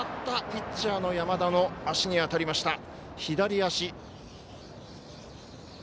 ピッチャーの山田の足に当たりました左足。